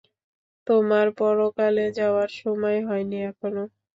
তোমার পরকালে যাওয়ার সময় হয়নি এখনও।